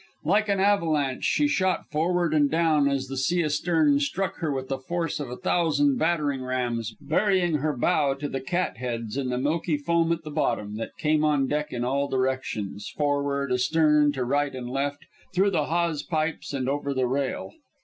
Like an avalanche, she shot forward and down as the sea astern struck her with the force of a thousand battering rams, burying her bow to the catheads in the milky foam at the bottom that came on deck in all directions forward, astern, to right and left, through the hawse pipes and over the rail.